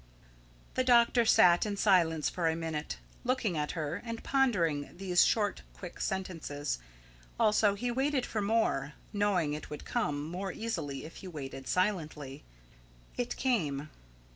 The doctor sat in silence for a minute, looking at her and pondering these short, quick sentences. Also he waited for more, knowing it would come more easily if he waited silently. It came.